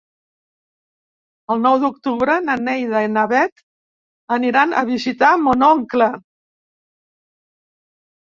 El nou d'octubre na Neida i na Bet aniran a visitar mon oncle.